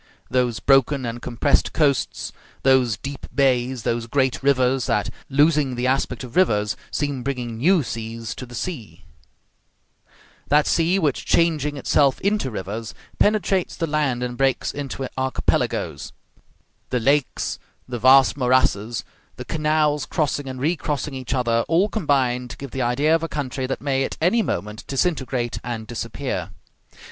Those broken and compressed coasts; those deep bays; those great rivers that, losing the aspect of rivers, seem bringing new seas to the sea; that sea which, changing itself into rivers, penetrates the land and breaks it into archipelagoes; the lakes, the vast morasses, the canals crossing and recrossing each other, all combine to give the idea of a country that may at any moment disintegrate and disappear.